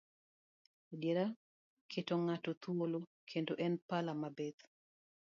Adiera keto ng'ato thuolo, kendo en pala mabith.